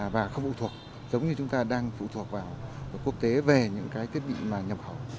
và không phụ thuộc giống như chúng ta đang phụ thuộc vào quốc tế về những cái thiết bị mà nhập khẩu